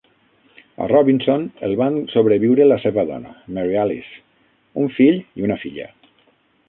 A Robinson el van sobreviure la seva dona, Mary Alice, un fill i una filla.